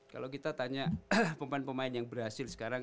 kalau kita tanya pemain pemain yang berhasil sekarang